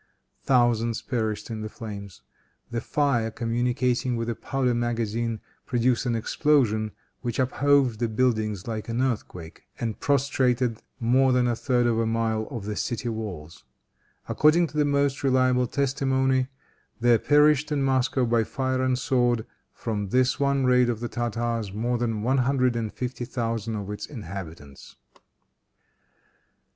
Thousands perished in the flames. The fire, communicating with a powder magazine, produced an explosion which uphove the buildings like an earthquake, and prostrated more than a third of a mile of the city walls. According to the most reliable testimony, there perished in Moscow, by fire and sword, from this one raid of the Tartars, more than one hundred and fifty thousand of its inhabitants.